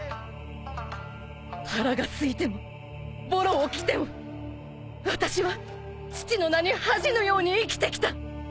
腹がすいてもぼろを着ても私は父の名に恥じぬように生きてきた！